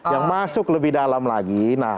yang masuk lebih dalam lagi